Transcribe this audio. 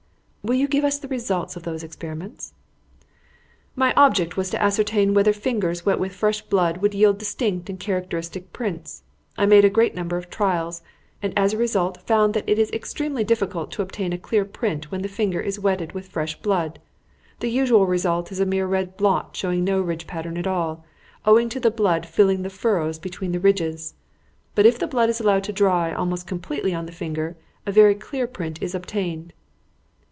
"Will you give us the results of those experiments?" "My object was to ascertain whether fingers wet with fresh blood would yield distinct and characteristic prints. I made a great number of trials, and as a result found that it is extremely difficult to obtain a clear print when the finger is wetted with fresh blood. The usual result is a mere red blot showing no ridge pattern at all, owing to the blood filling the furrows between the ridges. But if the blood is allowed to dry almost completely on the finger, a very clear print is obtained."